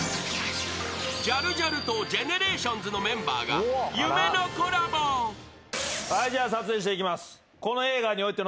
［ジャルジャルとＧＥＮＥＲＡＴＩＯＮＳのメンバーが夢のコラボ］はいいこう。